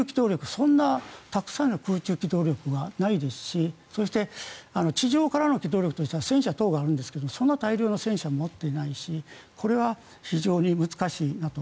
そんなにたくさんの空中機動力はないですしそして地上からの機動力としては戦車等があるんですが大量の戦車も持っていないしこれは非常に難しいなと。